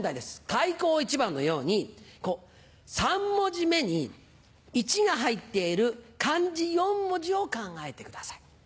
「開口一番」のように３文字目に「一」が入っている漢字４文字を考えてください。